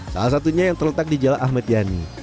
salah satunya yang terletak di jalan ahmad yani